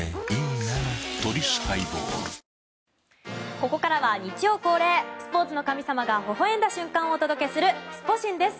ここからは日曜恒例スポーツの神様がほほ笑んだ瞬間をお届けするスポ神です。